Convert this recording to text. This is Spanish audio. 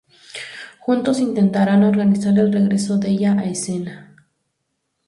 Juntos intentarán organizar el regreso de ella a escena.